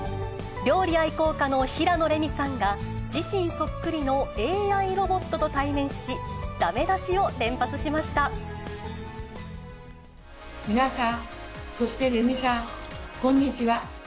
料理愛好家の平野レミさんが、自身そっくりのＡＩロボットと対面し、皆さん、そしてレミさん、こんにちは。